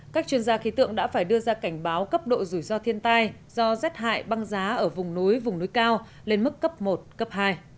các chuyên gia khí tượng đã phải đưa ra cảnh báo cấp độ rủi ro thiên tai do rét hại băng giá ở vùng núi vùng núi cao lên mức cấp một cấp hai